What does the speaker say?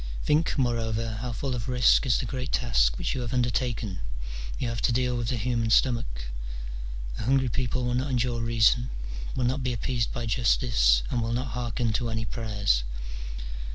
Think, moreover, how full of risk is the great task which you have undertaken : you have to deal with the human stomach : a hungry people will not endure reason, will not be appeased by justice, and will not hearken to any prayers.